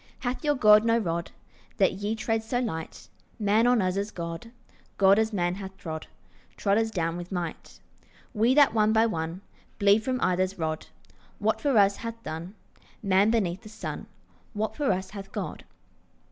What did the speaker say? Hath your God no rod, That ye tread so light? Man on us as God, God as man hath trod, Trod us down with might. We that one by one Bleed from either's rod. What for us hath done Man beneath the sun, What for us hath God?